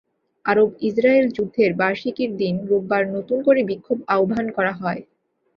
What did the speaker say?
আরব-ইসরায়েল যুদ্ধের বার্ষিকীর দিন রোববার নতুন করে বিক্ষোভ আহ্বান করা হয়।